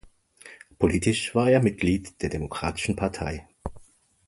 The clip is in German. Politisch war er Mitglied der Demokratischen Partei.